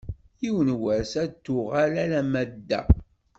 Yiwen n wass ad d-tuɣal alamma d da.